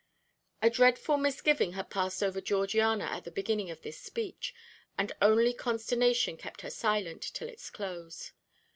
A dreadful misgiving had passed over Georgiana at the beginning of this speech, and only consternation kept her silent till its close.